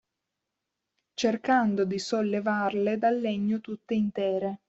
Cercando di sollevarle dal legno tutte intere.